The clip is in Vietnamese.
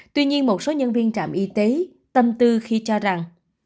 tuy nhiên một số nhân viên trạm y tế tâm tư khi cho rằng